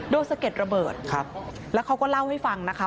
สะเก็ดระเบิดครับแล้วเขาก็เล่าให้ฟังนะคะ